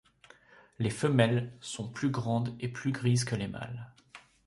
Les femelles sont plus grandes et plus grises que les mâles.